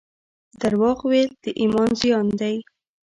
درواغ ویل د ایمان زیان دی